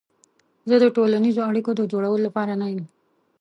زه د ټولنیزو اړیکو د جوړولو لپاره نه یم.